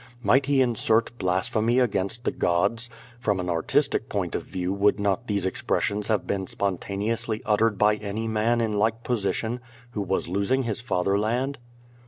Might he insert blasphemy against the gods? From an artistic point of view would not these expressions have been spontaneously uttered by any man in like position who was losing his father land?